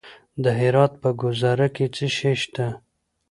د هرات په ګذره کې څه شی شته؟